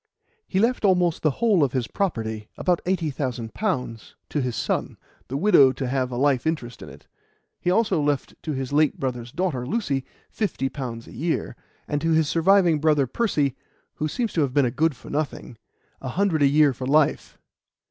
He left almost the whole of his property about eighty thousand pounds to his son, the widow to have a life interest in it. He also left to his late brother's daughter, Lucy, fifty pounds a year, and to his surviving brother Percy, who seems to have been a good for nothing, a hundred a year for life.